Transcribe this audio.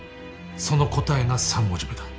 その答えが三文字目だ。